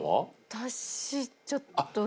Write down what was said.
私ちょっと。